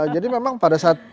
jadi memang pada saat